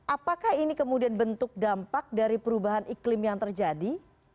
apakah ini kemudian bentuk dampak dari perubahan iklim yang terjadi